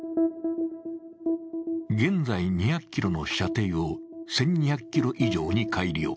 現在２００ｋｍの射程を１２００ｋｍ以上に改良。